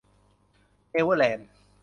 เอเวอร์แลนด์